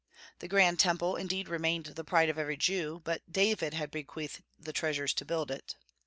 The grand Temple indeed remained the pride of every Jew, but David had bequeathed the treasures to build it.